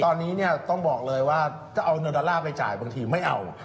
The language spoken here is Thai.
ตอนนี้เนี่ยต้องบอกเลยว่าถ้าเอาเงินดอลลาร์ไปจ่ายบางทีไม่เอา